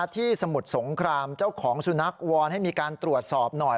สมุทรสงครามเจ้าของสุนัขวอนให้มีการตรวจสอบหน่อย